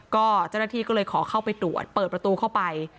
ก็เจ้าหน้าที่ก็เลยขอเข้าไปตรวจเปิดประตูเข้าไป